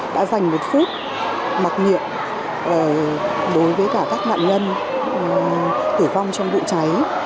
đã dành một phút mặc nhiệm đối với các nạn nhân tử vong trong vụ cháy